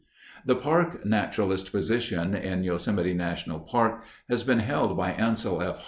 The Park Naturalist position in Yosemite National Park has been held by Ansel F.